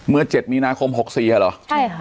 เมื่อ๗มีนาคม๖๔หรอใช่ค่ะ